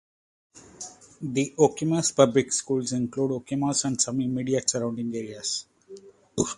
The Okemos Public Schools includes Okemos and some immediate surrounding areas.